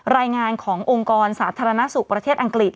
รายงานขององค์กรสาธารณสุขประเทศอังกฤษ